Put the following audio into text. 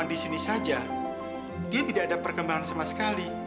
dia tidak ada perkembangan sama sekali